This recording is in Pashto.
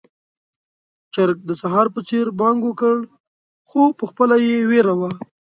چرګ د سهار په څېر بانګ وکړ، خو پخپله يې وېره وه.